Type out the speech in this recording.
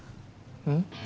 うん？